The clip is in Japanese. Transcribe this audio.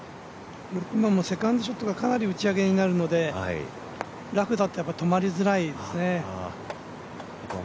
セカンドショットがかなり打ち上げになるのでラフだと止まりづらいですね。